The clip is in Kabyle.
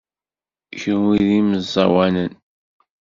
Kenwi d imẓawanen?